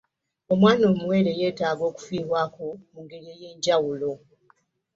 Omwana omuwere yetaaga okufibwako mu ngeri eyenjawulo.